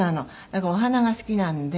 だからお花が好きなんで。